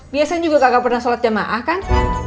biasanya juga gak pernah sholat jamaah kan